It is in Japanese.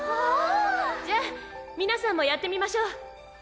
じゃあ皆さんもやってみましょう。